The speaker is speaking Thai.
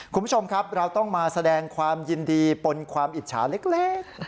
คุณผู้ชมครับเราต้องมาแสดงความยินดีปนความอิจฉาเล็ก